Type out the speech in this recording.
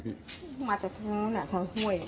มาจากทางนู้นทางห้วย